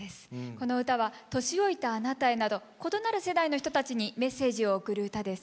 この歌は「年老いたあなたへ」など異なる世代の人たちにメッセージを送る歌です。